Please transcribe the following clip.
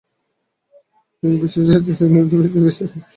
তিনি বিশিষ্ট জেনেটিসিস্ট এবং ফিজিওলজিস্ট ছিলেন।